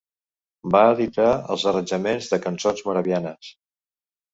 Va editar els arranjaments de cançons moravianes.